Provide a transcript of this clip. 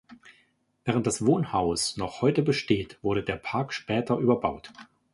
Während das Wohnhaus noch heute besteht, wurde der Park später überbaut.